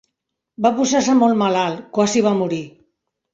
Va posar-se molt malalt, quasi va morir.